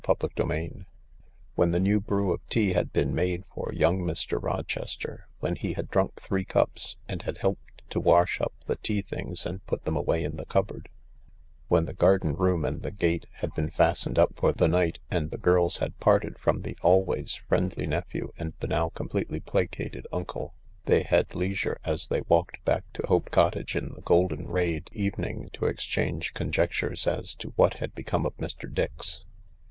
CHAPTER XIII When the new brew of tea had been made for young Mr. Rochester, when he had drunk three cups and had helped to wash up the tea things and put them away in the cupboard^ when the garden room and the gate had been fastened up for the night, and the girls had parted from the always friendly nephew and the now completely placated uncle, they had leisure, as they walked back to Hope Cottage in the golden* rayed evening, to exchange conjectures as to what had become of Mr. Dix.